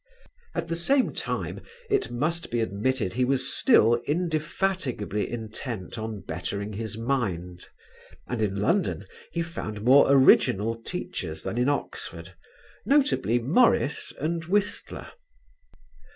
At the same time it must be admitted he was still indefatigably intent on bettering his mind, and in London he found more original teachers than in Oxford, notably Morris and Whistler.